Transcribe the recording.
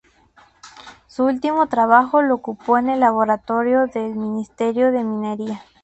Su último trabajo lo ocupó en el laboratorio del Ministerio de Minería.